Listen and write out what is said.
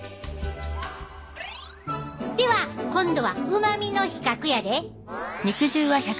では今度はうまみの比較やで。